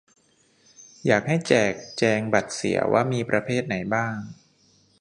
อยากให้แจกแจงบัตรเสีย ว่ามีประเภทไหนบ้าง